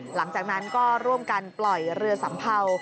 หลังจากนั้นก็ร่วมกันปล่อยเรือสัมเภา